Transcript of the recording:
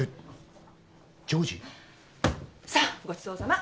さあごちそうさま。